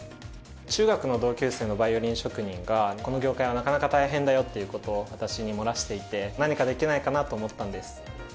中学の同級生のバイオリン職人が「この業界はなかなか大変だよ」ということを私に漏らしていて何かできないかなと思ったんです。